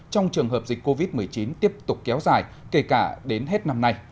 trong trường hợp dịch covid một mươi chín tiếp tục kéo dài kể cả đến hết năm nay